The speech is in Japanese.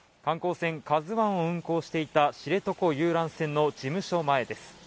観光船「ＫＡＺＵⅠ」を運航していた知床遊覧船の事務所前です。